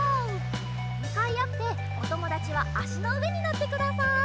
むかいあっておともだちはあしのうえにのってください。